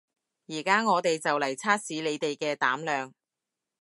而家我哋就嚟測試你哋嘅膽量